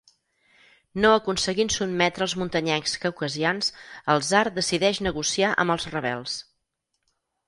No aconseguint sotmetre els muntanyencs caucasians, el tsar decideix negociar amb els rebels.